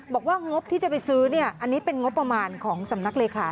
บอกว่างบทที่จะไปซื้ออันนี้เป็นงบประมาณของสำนักเลขา